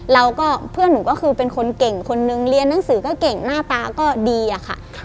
แล้วก็เพื่อนหนูก็คือเป็นคนเก่งคนนึงเรียนหนังสือก็เก่งหน้าตาก็ดีอะค่ะ